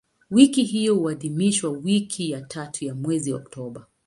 Wiki hiyo huadhimishwa wiki ya tatu ya mwezi Oktoba.